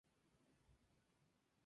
Luis Morandi.